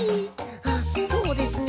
あそうですね。